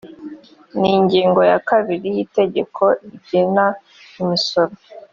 n ingingo ya kabiri y itegeko rigena imisoro